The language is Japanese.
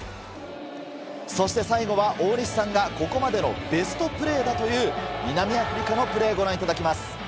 そして最後は、大西さんがここまでのベストプレーだという、南アフリカのプレー、ご覧いただきます。